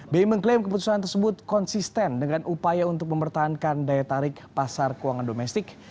bi mengklaim keputusan tersebut konsisten dengan upaya untuk mempertahankan daya tarik pasar keuangan domestik